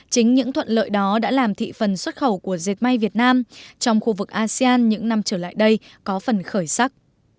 chính những thuận lợi đó đã làm thị phần xuất khẩu của dệt may việt nam trong khu vực asean những năm trở lại đây có phần khởi sắc